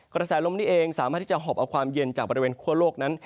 กระแสลมนี้เองสามารถที่จะหอบเอาความเย็นจากบริเวณคั่วโลกนั้น